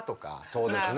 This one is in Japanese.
そうですね。